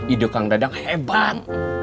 ide kang dadang hebat